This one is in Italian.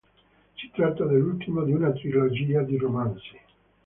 Si tratta dell'ultimo di una trilogia di romanzi.